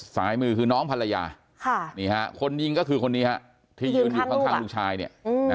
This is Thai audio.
สายมือคือน้องภรรยานี่ฮะคนยิงก็คือคนนี้ฮะที่ยืนอยู่ข้างลูกชายเนี่ย